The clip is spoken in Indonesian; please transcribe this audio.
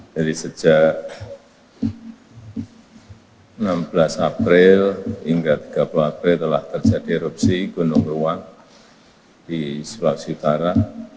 dari sejak enam belas april hingga tiga puluh april telah terjadi erupsi gunung beruang di sulawesi utara